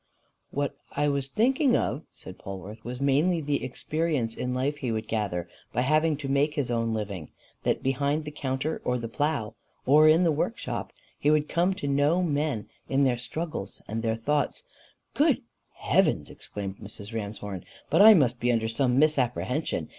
"What I was thinking of," said Polwarth, "was mainly the experience in life he would gather by having to make his own living; that, behind the counter or the plough, or in the workshop, he would come to know men and their struggles and their thoughts " "Good heavens!" exclaimed Mrs. Ramshorn. "But I must be under some misapprehension!